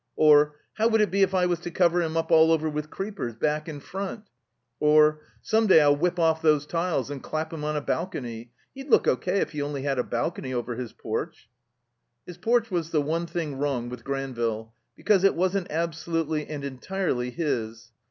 Or, "How would it be if I was to cover him up all over with creepers, back and front?" Or, "Some day I'll whip off those tiles and clap him on a bal cony. He'd look O.K. if he only had a balcony over his porch." His porch was the one thing wrong with Granville, because it wasn't absolutely and entirely his.